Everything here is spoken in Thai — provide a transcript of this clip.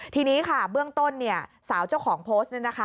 ทีนี้ค่ะเบื้องต้นเนี่ยสาวเจ้าของโพสต์เนี่ยนะคะ